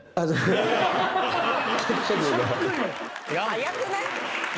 早くない！？